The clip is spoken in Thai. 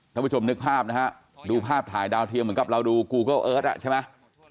ท่านผู้ชมนึกภาพนะฮะดูภาพถ่ายดาวเทียมเหมือนกับเราดูกูเกิลเอิร์ทอ่ะใช่ไหม